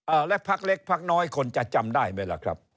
และพักเล็กพักน้อยคนจะจำได้ไหมล่ะครับ